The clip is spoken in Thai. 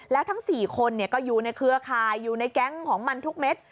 แล้วทั้ง๔คนก็อยู่ในเครือข่ายอยู่ในแก๊งของมันทุกเม็ด